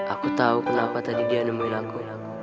aku tau kenapa tadi dia nemuin aku